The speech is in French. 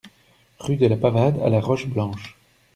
Rue de la Pavade à La Roche-Blanche